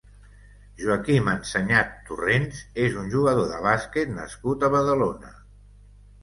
Joaquim Enseñat Torrents és un jugador de bàsquet nascut a Badalona.